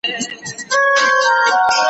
زه هره ورځ د سبا لپاره د يادښتونه يادوم،